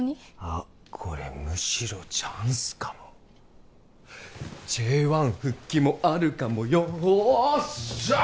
あこれむしろチャンスかもＪ１復帰もあるかもよーっしゃ！